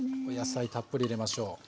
お野菜たっぷり入れましょう。